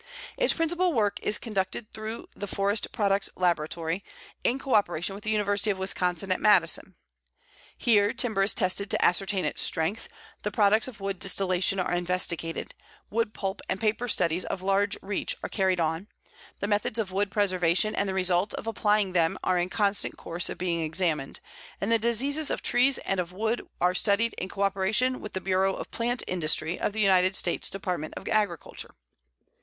Its principal work is conducted through the Forest Products Laboratory, in coöperation with the University of Wisconsin at Madison. Here timber is tested to ascertain its strength, the products of wood distillation are investigated, wood pulp and paper studies of large reach are carried on, the methods of wood preservation and the results of applying them are in constant course of being examined, and the diseases of trees and of wood are studied in coöperation with the Bureau of Plant Industry of the United States Department of Agriculture.